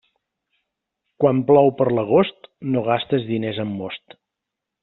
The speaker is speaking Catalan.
Quan plou per l'agost, no gastes diners en most.